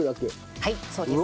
はいそうです。